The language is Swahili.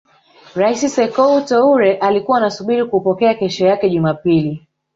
Rais sekou Toure alikuwa anasubiri kuupokea kesho yake Jumapili